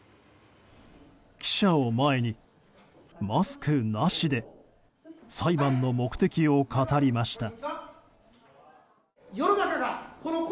記者を前にマスクなしで裁判の目的を語りました。